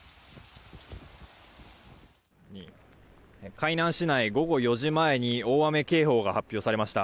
海南市内午後４時前に大雨警報が発表されました。